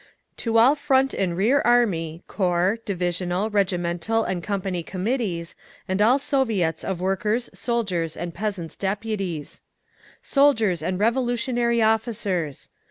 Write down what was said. "To All Front and Rear Army, Corps, Divisional, Regimental and Company Committees, and All Soviets of Workers', Soldiers' and Peasants' Deputies. "Soldiers and Revolutionary Officers!